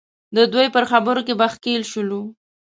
د دوی پر خبرو کې به ښکېل شولو.